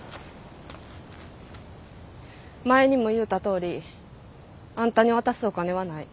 前にも言うたとおりあんたに渡すお金はない。